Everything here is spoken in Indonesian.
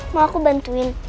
mau aku bantuin